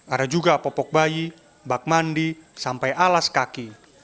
ada juga popok bayi bak mandi sampai alas kaki